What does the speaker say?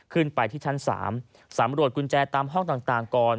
ขึ้นไปที่ชั้น๓สำรวจกุญแจตามห้องต่างก่อน